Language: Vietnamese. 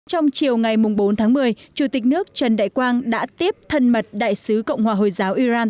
trong chiều ngày bốn tháng một mươi chủ tịch nước trần đại quang đã tiếp thân mật đại sứ cộng hòa hồi giáo iran